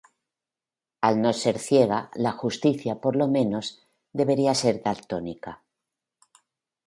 Al no ser ciega, la justicia, por lo menos debíera ser daltónica